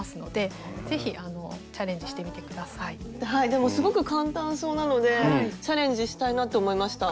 でもすごく簡単そうなのでチャレンジしたいなと思いました。